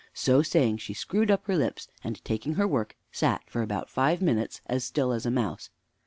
So saying, she screwed up her lips, and taking her work, sat for about five minutes as still as a mouse.